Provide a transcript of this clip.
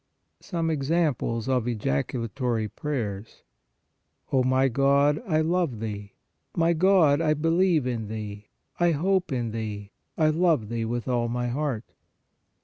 Some examples of ejaculatory prayers. O my God, I love Thee. My God, I believe in Thee, I hope in Thee, I love Thee with all my heart.